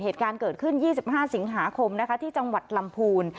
เหตุการณ์เกิดขึ้น๒๕สิงหาคมนะคะที่จังหวัดลำพูน